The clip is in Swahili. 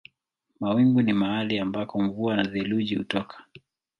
Mawingu ni mahali ambako mvua na theluji hutoka.